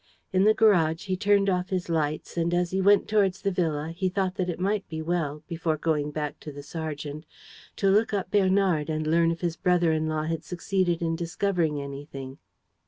In the garage, he turned off his lights; and, as he went towards the villa, he thought that it might be well, before going back to the sergeant, to look up Bernard and learn if his brother in law had succeeded in discovering anything.